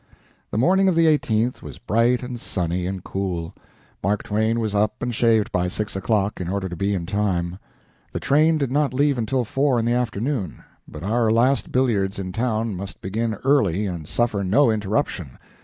The morning of the 18th was bright and sunny and cool. Mark Twain was up and shaved by six o'clock in order to be in time. The train did not leave until four in the afternoon, but our last billiards in town must begin early and suffer no interruption.